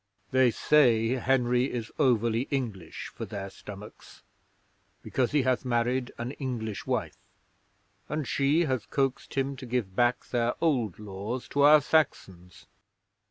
They say Henry is overly English for their stomachs, because he hath married an English wife and she hath coaxed him to give back their old laws to our Saxons.